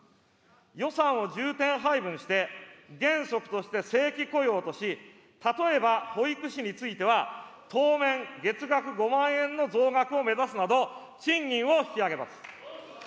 予算を重点配分して、原則として正規雇用とし、例えば保育士については当面、月額５万円の増額を目指すなど、賃金を引き上げます。